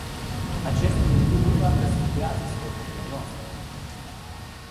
Acest lucru nu doar că sfidează scopurile noastre.